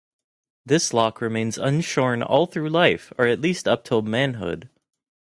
This lock remains unshorn all through life, or at least up till manhood.